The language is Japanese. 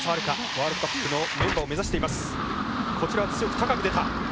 ワールドカップのメンバーを目指しています。